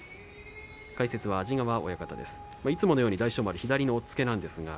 解説は安治川親方です。